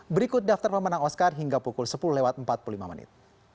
berikut daftar pemenang oscar hingga pukul sepuluh lewat empat puluh lima menit